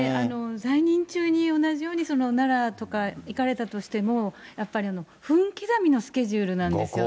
在任中に同じように奈良とか行かれたとしても、やっぱり分刻みのスケジュールなんですよね。